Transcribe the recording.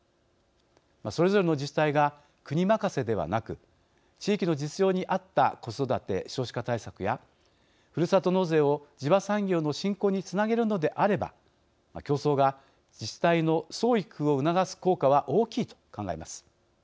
それぞれの自治体が国任せではなく地域の実情にあった子育て、少子化対策やふるさと納税を地場産業の振興につなげるのであれば競争が自治体の創意工夫を促す効果は大きいと考えます。